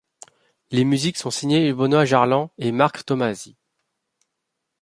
Les musiques sont signées Benoît Jarlan & Marc Tomasi.